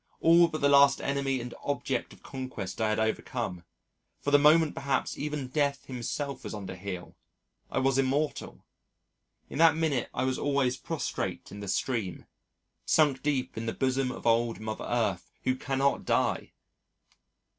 All but the last enemy and object of conquest I had overcome for the moment perhaps even Death himself was under heel I was immortal in that minute I was always prostrate in the stream sunk deep in the bosom of old Mother Earth who cannot die!